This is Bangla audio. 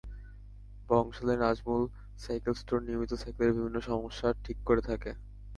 বংশালের নাজমুল সাইকেল স্টোর নিয়মিত সাইকেলের বিভিন্ন সমস্যা ঠিক করে থাকে।